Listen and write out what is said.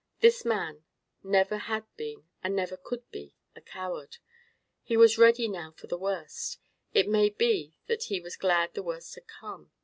This man never had been and never could be a coward. He was ready now for the worst. It may be that he was glad the worst had come.